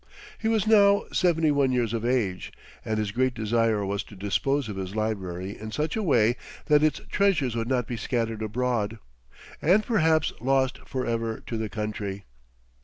He was now seventy one years of age, and his great desire was to dispose of his library in such a way that its treasures would not be scattered abroad, and perhaps lost forever to the country.